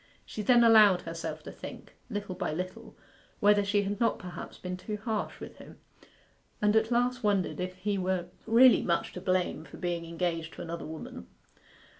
She then allowed herself to think, little by little, whether she had not perhaps been too harsh with him; and at last wondered if he were really much to blame for being engaged to another woman.